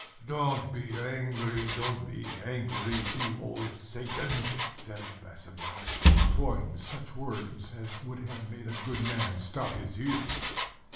"Don't be angry, don't be angry, you old Satan!" said Basavriuk, employing such words as would have made a good man stop his ears.